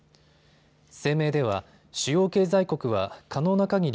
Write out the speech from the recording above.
声明では、主要経済国は可能なかぎり